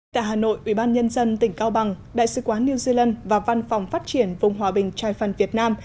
tại hà nội ủy ban nhân dân tỉnh cao bằng đại sứ quán new zealand và văn phòng phát triển vùng hòa bình chai phan việt nam